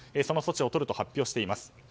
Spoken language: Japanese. その措置をとると発表しています。